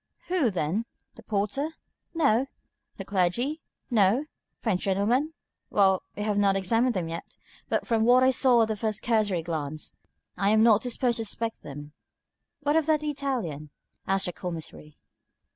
"Who, then? The porter? No? The clergyman? No? The French gentlemen? well, we have not examined them yet; but from what I saw at the first cursory glance, I am not disposed to suspect them." "What of that Italian?" asked the Commissary.